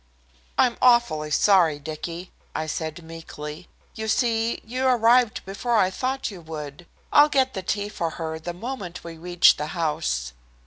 "I'm awfully sorry, Dicky," I said meekly. "You see you arrived before I thought you would. I'll get the tea for her the moment we reach the house."